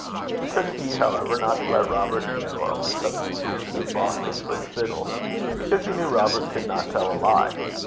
He took heed, however, not to let Robert know of the substitution of Boston for the fiddle, because he knew Robert could not tell a lie.